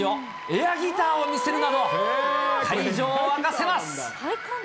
エアギターを見せるなど、会場を沸かせます。